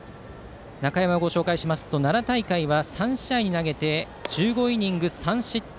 中山をご紹介しますと奈良大会は３試合投げて１５イニング３失点。